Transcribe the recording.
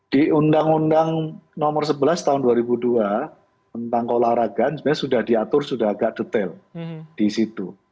di undang undang nomor sebelas tahun dua ribu dua tentang keolahragaan sebenarnya sudah diatur sudah agak detail di situ